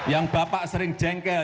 yang bapak sering jengkel